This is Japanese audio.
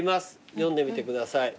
読んでみてください」